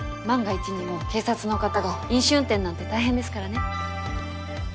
万が一にも警察の方が飲酒運転なんて大変ですからね。